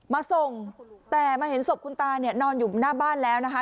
มาส่งแต่มาเห็นศพคุณตาเนี่ยนอนอยู่หน้าบ้านแล้วนะคะ